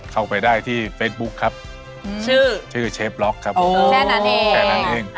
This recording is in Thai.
เข้าไปได้ที่เฟซบุ๊กครับชื่อเชฟร็อกครับแค่นั้นเอง